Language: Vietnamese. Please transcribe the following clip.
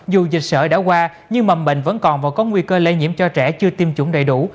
dù dịch sở đã qua nhưng mầm bệnh vẫn còn và có nguy cơ lây nhiễm cho trẻ chưa tiêm chủng đầy đủ